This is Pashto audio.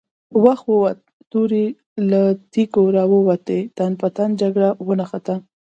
وخت ووت، تورې له تېکو را ووتې، تن په تن جګړه ونښته!